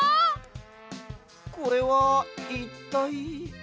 これはいったい？